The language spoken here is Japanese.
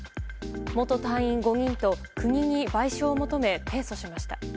元隊員５人と国に賠償を求め提訴しました。